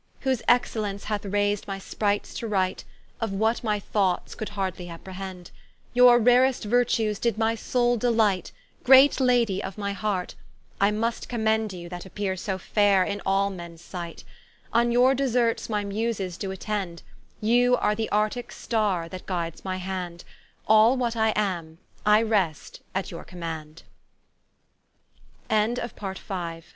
Whose excellence hath rais'd my sprites to write, Of what my thoughts could hardly apprehend; Your rarest Virtues did my soule delight, Great Ladie of my heart: I must commend You that appeare so faire in all mens sight: On your Deserts my Muses doe attend; You are the Articke Starre that guides my hand, All wh